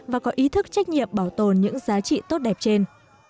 và có ý thức trách nhiệm bảo tồn những giá trị tốt đẹp trên